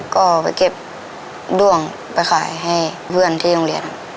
ก็ไปเก็บด้วงไปขายให้เพื่อนที่โรงเรียน